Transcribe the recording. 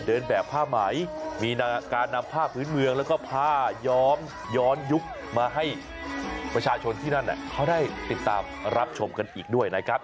เดินแบบผ้าไหมมีการนำผ้าพื้นเมืองแล้วก็ผ้าย้อมย้อนยุคมาให้ประชาชนที่นั่นเขาได้ติดตามรับชมกันอีกด้วยนะครับ